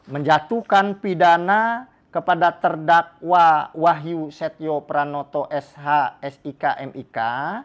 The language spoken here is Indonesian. menjatuhkan pidana kepada terdakwa wahyu setio pranoto sh sik mik